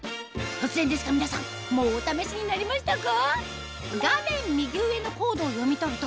突然ですが皆さんもうお試しになりましたか？